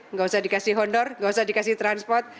enggak usah dikasih hondor enggak usah dikasih transport